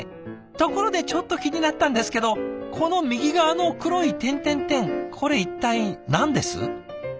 ところでちょっと気になったんですけどこの右側の黒い点々々これ一体何です？